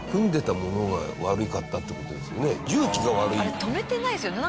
あれ留めてないですよね。